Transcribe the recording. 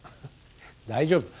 大丈夫。